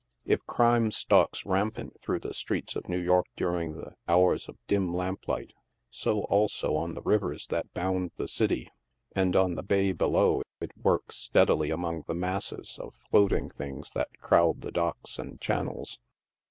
If crime stalks rampant through the streets of New York during the hours of dim lamplight, so also on the rivers that bound the city, and on the bay below, it works steadily among the masses of floating things that crowd the docks and channels.